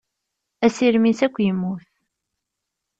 Asirem-is akk yemmut.